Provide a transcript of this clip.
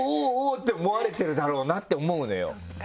って思われてるだろうなって思うのよ。